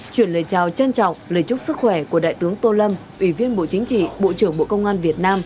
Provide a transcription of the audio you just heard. chuyển lời chào trân trọng lời chúc sức khỏe của đại tướng tô lâm ủy viên bộ chính trị bộ trưởng bộ công an việt nam